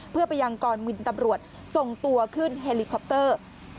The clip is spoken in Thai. เพื่อพยายามก่อนบินตำรวจส่งตัวขึ้นแฮลิคอปเตอร์